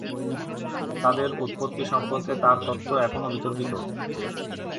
তাদের উৎপত্তি সম্পর্কে তার তত্ত্ব এখনও বিতর্কিত।